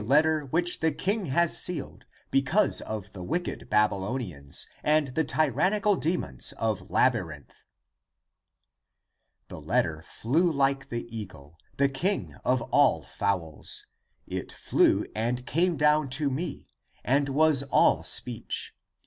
3l6 THE APOCRYPHAL ACTS Which the king has sealed Because of the wicked Babylonians And the tyrannical demons of Labyrinth. ^^ <It (i. e. the letter) flew like the eagle, The king of all fowls. It flew and came down to me And was all speech.